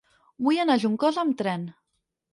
Vull anar a Juncosa amb tren.